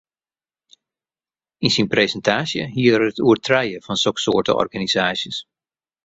Yn syn presintaasje hie er it oer trije fan soksoarte organisaasjes.